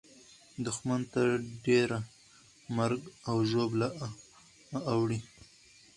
دښمن ته ډېره مرګ او ژوبله اوړي.